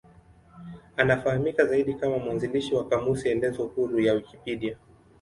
Anafahamika zaidi kama mwanzilishi wa kamusi elezo huru ya Wikipedia.